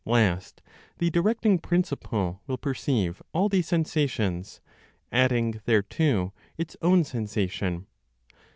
Last the directing principle will perceive all these sensations, adding thereto its own sensation.